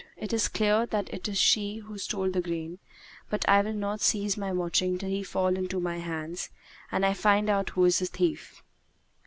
It is clear that it is not she who stole the grain; but I will not cease my watching till he fall into my hands and I find out who is the thief."